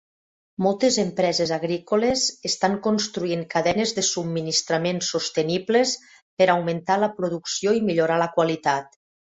Moltes empreses agrícoles estan construint cadenes de subministrament sostenibles per augmentar la producció i millorar la qualitat.